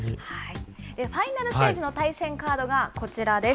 ファイナルステージの対戦カードがこちらです。